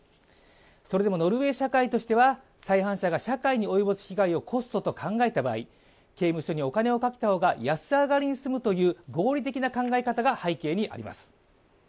それでもノルウェー社会としては再犯者が社会に及ぼす被害をコストと考えた場合、刑務所にお金をかけた方が安上がりに済むという合理的な考え方が背景にあります。